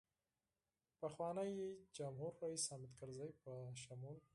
پخواني جمهورریس حامدکرزي په شمول.